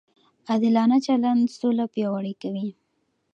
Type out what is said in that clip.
عادلانه چلند سوله پیاوړې کوي.